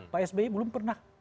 pak sby belum pernah